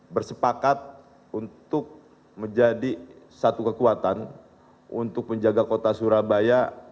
bersepakat untuk menjadi satu kekuatan untuk menjaga kota surabaya